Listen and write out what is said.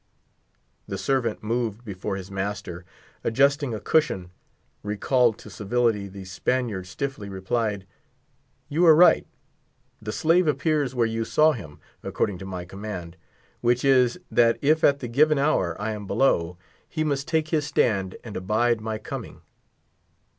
The servant moved before his master, adjusting a cushion; recalled to civility, the Spaniard stiffly replied: "you are right. The slave appears where you saw him, according to my command; which is, that if at the given hour I am below, he must take his stand and abide my coming."